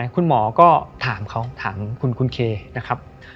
คุณหมอก็ถามเขาถามคุณเคนะครับ